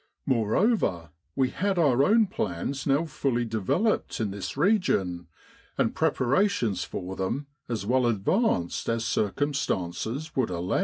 Moreover, we had our own plans now fully developed in this region, and preparations for them as well advanced as circumstances would allow.